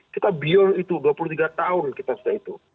kita beyond itu dua puluh tiga tahun kita sudah itu